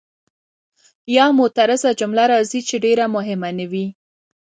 یا معترضه جمله راځي چې ډېره مهمه نه وي.